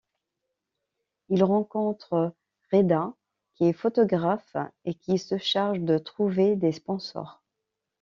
Il rencontre Reda qui est photographe et qui se charge de trouver des sponsors.